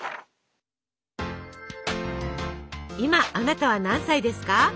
今あなたは何歳ですか？